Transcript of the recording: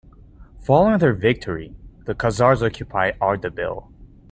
Following their victory, the Khazars occupied Ardabil.